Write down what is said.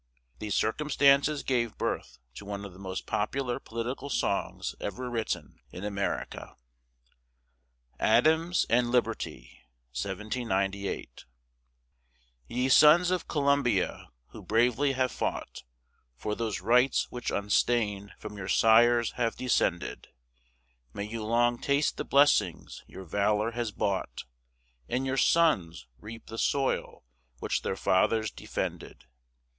These circumstances gave birth to one of the most popular political songs ever written in America. ADAMS AND LIBERTY Ye sons of Columbia, who bravely have fought For those rights which unstained from your sires have descended, May you long taste the blessings your valor has bought, And your sons reap the soil which their fathers defended.